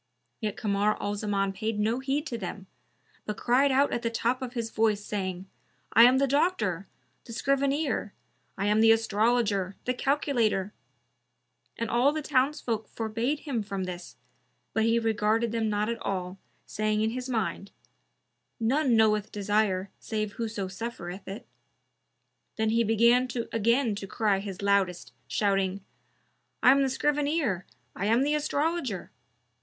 Yet Kamar al Zaman paid no heed to them, but cried out at the top of his voice, saying, "I am the Doctor, the Scrivener! I am the Astrologer, the Calculator!" And all the townsfolk forbade him from this, but he regarded them not at all, saying in his mind, "None knoweth desire save whoso suffereth it." Then he began again to cry his loudest, shouting, "I am the Scrivener, I am the Astrologer!"